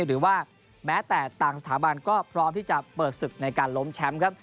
หรือว่าแม้แต่ต่างสถาบันก็พร้อมที่จะเปิดศึกในการล้มแชมป์ครับ